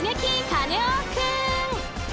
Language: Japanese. カネオくん！